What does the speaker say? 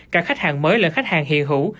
các khách hàng mới là khách hàng hiện hữu